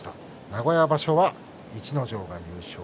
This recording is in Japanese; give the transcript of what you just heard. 名古屋場所は逸ノ城が優勝。